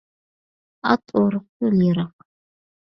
ئات ئورۇق، يول يىراق.